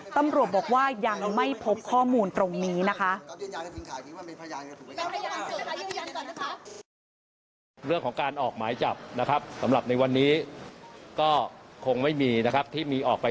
ตำรวจบอกว่ายังไม่พบข้อมูลตรงนี้นะคะ